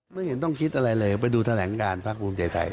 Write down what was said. ไม่เห็นต้องคิดอะไรเลยไปดูแถลงการพักภูมิใจไทย